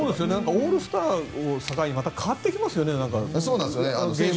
オールスターを境にまたゲームの感じが変わってきますよね。